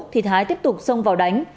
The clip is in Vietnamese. thì thái tiếp tục xông vào đánh